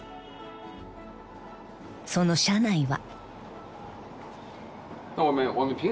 ［その社内は］